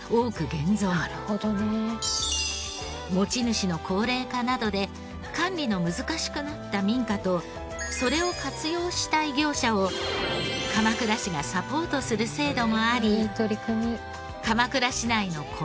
持ち主の高齢化などで管理の難しくなった民家とそれを活用したい業者を鎌倉市がサポートする制度もあり。